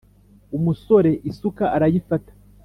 Umusore isuka arayifata.